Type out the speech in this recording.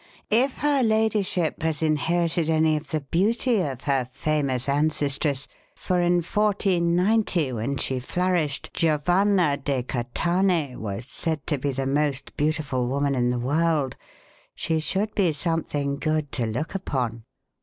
if her ladyship has inherited any of the beauty of her famous ancestress for in 1490, when she flourished, Giovanna de Catanei was said to be the most beautiful woman in the world she should be something good to look upon."